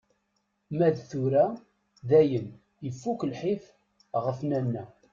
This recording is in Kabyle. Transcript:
Ma d tura dayen, ifuk lḥif ɣef Nanna.